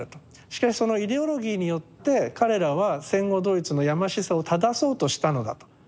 しかしそのイデオロギーによって彼らは戦後ドイツのやましさをただそうとしたのだと。